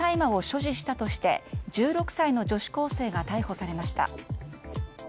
乾燥大麻を所持したとして１６歳の女子高生が逮捕されました。